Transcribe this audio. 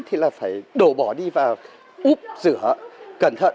thì là phải đổ bỏ đi vào úp rửa